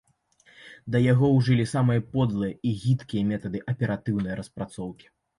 Да яго ўжылі самыя подлыя і гідкія метады аператыўнай распрацоўкі.